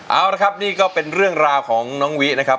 เอาละครับนี่ก็เป็นเรื่องราวของน้องวินะครับ